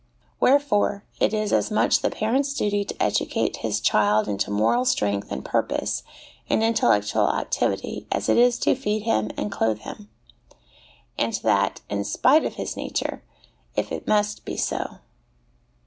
Wherefore, it is as much the parent's duty to educate his child into moral strength and purpose and intellectual activity as it is to feed him and clothe him ; and that in spite of his nature, if it must be so.